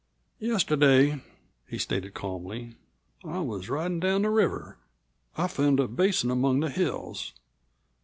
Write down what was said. "Yesterday," he stated calmly, "I was ridin' down the river. I found a basin among the hills.